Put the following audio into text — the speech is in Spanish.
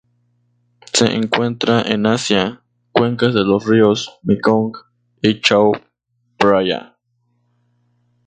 Se encuentran en Asia: cuencas de los ríos Mekong y Chao Phraya.